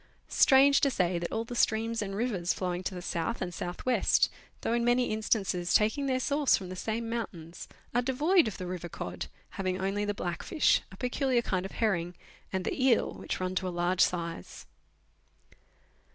Strange to say that all the streams and rivers flowing to the south and south west, though in many instances taking their source from the same mountains, are devoid of the river cod, having only the blackfish, a peculiar kind of herring, and the eel, which run to a large size.